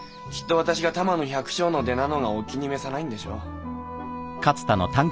きっと私が多摩の百姓の出なのがお気に召さないんでしょう。